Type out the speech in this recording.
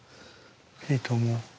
いいと思う。